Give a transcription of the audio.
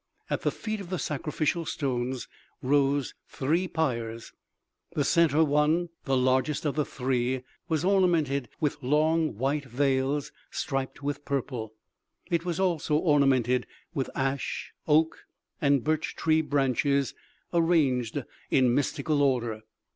At the feet of the sacrificial stones rose three pyres. The center one, the largest of the three, was ornamented with long white veils striped with purple; it was also ornamented with ash, oak and birch tree branches, arranged in mystical order.